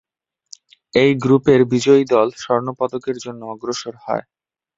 এই গ্রুপের বিজয়ী দল স্বর্ণ পদকের জন্য অগ্রসর হয়।